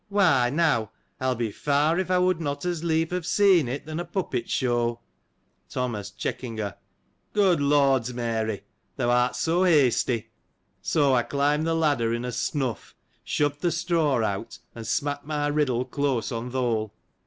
Why, now, I'll be far'' if I would not as lief have seen it than a puppet show. Thomas. — (Checking her. J Good Lord's — Mary ! Thou art so hasty. — So, I climbed the ladder, in a snuff, shoved the straw out, and smacked my riddle close on th' hole.